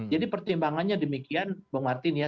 jadi pertimbangannya demikian bapak martin ya